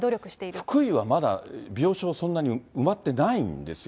福井はまだ病床、そんなに埋まってないんですよ。